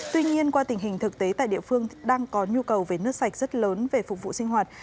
tuy nhiên qua tình hình thực tế tại địa phương đang có nhu cầu về nước sạch rất lớn về phục vụ sinh hoạt